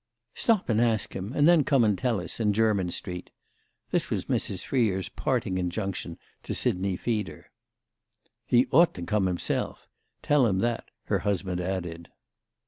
"Stop him and ask him, and then come and tell us—in Jermyn Street." This was Mrs. Freer's parting injunction to Sidney Feeder. "He ought to come himself—tell him that," her husband added.